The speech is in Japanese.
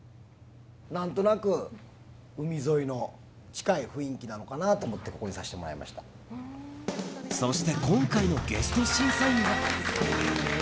なんとなく海沿いの近い雰囲気なのかなと思って、ここにさせてもそして今回のゲスト審査員は。